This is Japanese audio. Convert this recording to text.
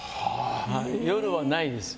夜はないです。